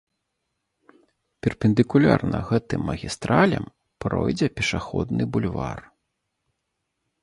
Перпендыкулярна гэтым магістралям пройдзе пешаходны бульвар.